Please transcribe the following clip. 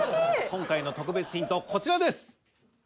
今回の特別ヒントこちらです。